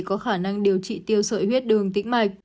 có khả năng điều trị tiêu sợi huyết đường tĩnh mạch